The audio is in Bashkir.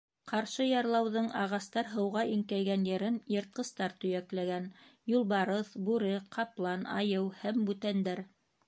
Ҡаршы ярлауҙың ағастар һыуға иңкәйгән ерен йыртҡыстар төйәкләгән: юлбарыҫ, бүре, ҡаплан, айыу һәм бүтәндәр.